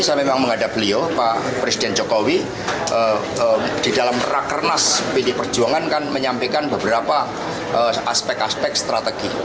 saya memang menghadap beliau pak presiden jokowi di dalam rakernas pd perjuangan kan menyampaikan beberapa aspek aspek strategi